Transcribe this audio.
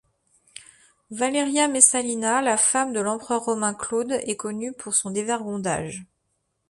Valeria Messalina, la femme de l'empereur romain Claude, est connue pour son dévergondage.